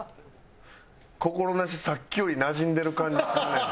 心なしさっきよりなじんでる感じすんねんな。